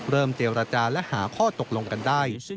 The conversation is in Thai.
เจรจาและหาข้อตกลงกันได้